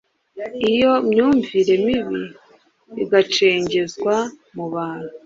Iyo myumvire mibi igacengezwa mu bantu